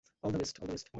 All the best.